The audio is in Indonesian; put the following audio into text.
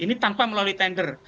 ini tanpa melalui tender